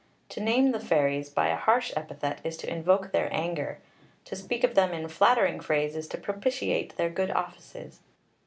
To name the fairies by a harsh epithet is to invoke their anger; to speak of them in flattering phrase is to propitiate their good offices.